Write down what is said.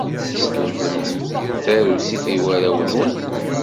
Teslemdem tarusit i warraw-nwen.